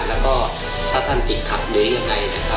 แล้วถ้าท่านติดขับอยู่อย่างไร